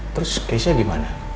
terus keysnya dimana